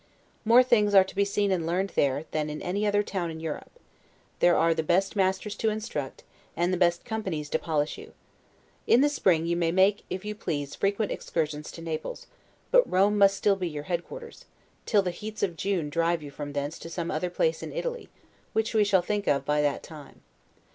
More things are to be seen and learned there, than in any other town in Europe; there are the best masters to instruct, and the best companies to polish you. In the spring you may make (if you please) frequent excursions to Naples; but Rome must still be your headquarters, till the heats of June drive you from thence to some other place in Italy, which we shall think of by that time.